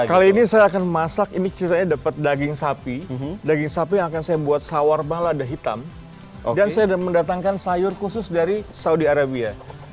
kali ini saya akan masak ini ceritanya dapat daging sapi daging sapi yang akan saya buat sawar balada hitam dan saya mendatangkan sayur khusus dari saudi arabia